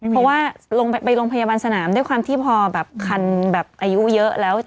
เพราะว่าลงไปโรงพยาบาลสนามด้วยความที่พอแบบคันแบบอายุเยอะแล้ว